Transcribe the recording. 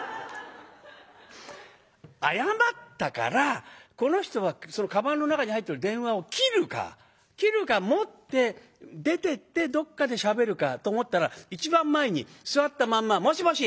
謝ったからこの人はかばんの中に入ってる電話を切るか切るか持って出てってどっかでしゃべるかと思ったら一番前に座ったまんま「もしもし？